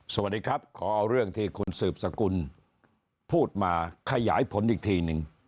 สวัสดีครับขอเอาเรื่องที่คุณสืบสกุลพูดมาขยายผลอีกทีหนึ่ง